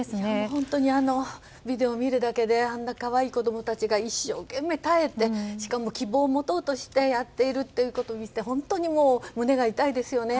本当にビデオを見るだけであんな可愛い子供たちが一生懸命耐えてしかも希望を持とうとしてやっているということを見て本当に胸が痛いですね。